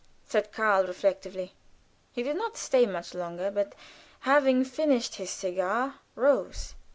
said Karl, reflectively. He did not stay much longer, but having finished his cigar, rose.